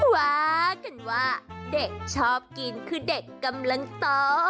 ว่ากันว่าเด็กชอบกินคือเด็กกำลังโต